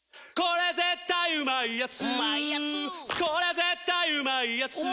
これ絶対うまいやつ」